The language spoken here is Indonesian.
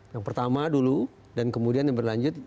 yang pertama dulu dan kemudian yang berlanjut